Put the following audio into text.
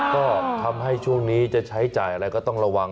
ก็ทำให้ช่วงนี้จะใช้จ่ายอะไรก็ต้องระวัง